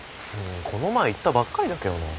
この前行ったばっかりだけどな。